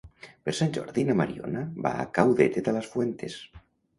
Per Sant Jordi na Mariona va a Caudete de las Fuentes.